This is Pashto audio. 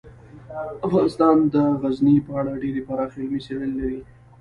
افغانستان د غزني په اړه ډیرې پراخې او علمي څېړنې لري.